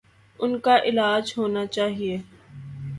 ان کا علاج ہونا چاہیے۔